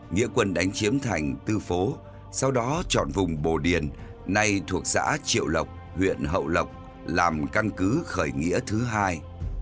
nghĩa quân đánh chiếm thành tư phố sau đó chọn vùng bồ điền nay thuộc xã triệu lộc huyện hậu lộc làm căn cứ khởi nghĩa thứ hai